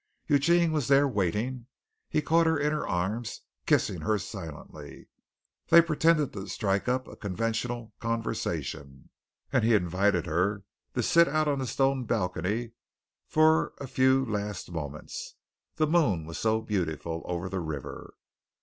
Eugene was there waiting. He caught her in his arms, kissing her silently. They pretended to strike up a conventional conversation, and he invited her to sit out on the stone balcony for a few last moments. The moon was so beautiful over the river.